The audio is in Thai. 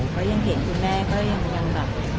เพราะยังเห็นคุณแม่ก็ยังแบบ